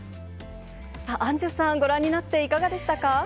さあ、アンジュさん、ご覧になっていかがでしたか。